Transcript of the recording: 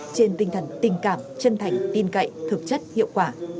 trên tinh thần tình cảm chân thành tin cậy thực chất hiệu quả